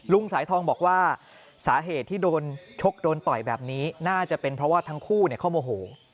สายทองบอกว่าสาเหตุที่โดนชกโดนต่อยแบบนี้น่าจะเป็นเพราะว่าทั้งคู่เขาโมโห